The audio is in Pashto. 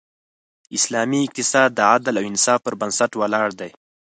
اسلامی اقتصاد د عدل او انصاف پر بنسټ ولاړ دی.